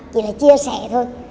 vậy là chia sẻ thôi